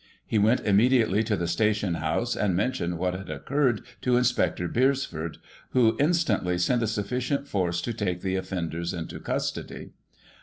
He went immediately to the station house, and mentioned what had occurred to Inspector Beresford, who instantly sent a sufficient force to take the offenders into custody.